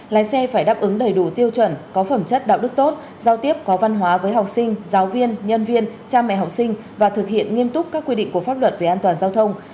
lái xe phải đáp ứng đầy đủ tiêu chuẩn có phẩm chất đạo đức tốt giao tiếp có văn hóa với học sinh giáo viên nhân viên cha mẹ học sinh và thực hiện nghiêm túc các quy định của pháp luật về an toàn giao thông